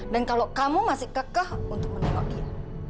dan kalau kamu masih kekeh untuk menolong dia